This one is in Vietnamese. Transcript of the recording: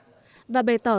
và bày tỏ tình cảm tha thiết